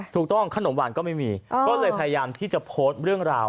ขนมหวานก็ไม่มีก็เลยพยายามที่จะโพสต์เรื่องราว